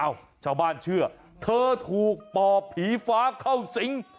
ชาวบ้านเชื่อเธอถูกปอบผีฟ้าเข้าสิง